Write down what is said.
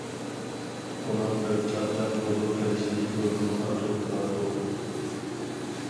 ئۇنىڭ بىر چاقچاق بولۇپ قېلىشىنى تولىمۇ ئارزۇ قىلاتتۇق.